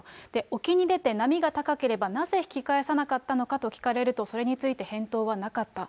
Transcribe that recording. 沖に出て波が高ければ、なぜ引き返さなかったのかと聞かれるとそれについて、返答はなかった。